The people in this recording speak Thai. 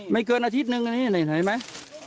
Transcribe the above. ไม่เกินอาทิตย์นึงนี่เหมือนไหม